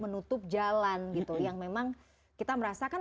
menutup jalan gitu yang memang kita merasakan akses jalan kan udah berakhir ya kan